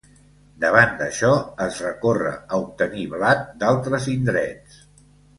Davant d'això, es recorre a obtenir blat d'altres indrets.